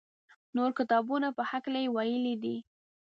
نورو کتابو په هکله یې ویلي دي.